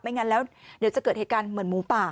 งั้นแล้วเดี๋ยวจะเกิดเหตุการณ์เหมือนหมูป่า